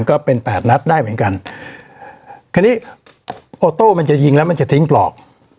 ก็เป็นแปดนัดได้เหมือนกันคราวนี้โอโต้มันจะยิงแล้วมันจะทิ้งปลอก